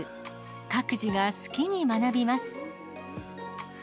各自が好きに学びます。